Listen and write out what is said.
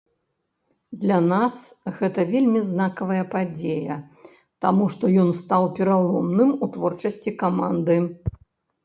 Для нас гэта вельмі знакавая падзея, таму што ён стаў пераломным у творчасці каманды.